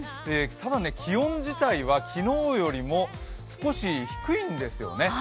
ただ、気温自体は昨日よりも少し低いんですよね。